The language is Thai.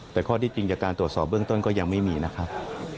แต่ข้อที่จริงจากการตรวจสอบเบื้องต้นก็ยังไม่มีนะครับ